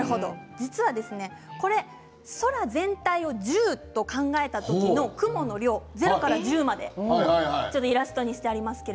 実は空全体を１０と考えた時の雲の量０から１０までイラストにしてあります。